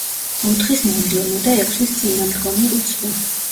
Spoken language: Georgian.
ოთხის მომდევნო და ექვსის წინამდგომი რიცხვი.